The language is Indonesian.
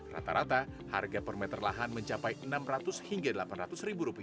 rata rata harga per meter lahan mencapai rp enam ratus hingga rp delapan ratus